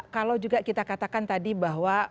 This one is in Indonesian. kalau juga kita katakan tadi bahwa